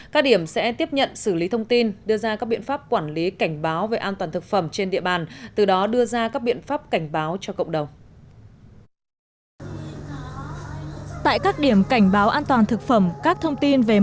các điểm sẽ tiếp nhận xử lý thông tin đưa ra các biện pháp quản lý cảnh báo về an toàn thực phẩm trên địa bàn từ đó đưa ra các biện pháp cảnh báo cho cộng đồng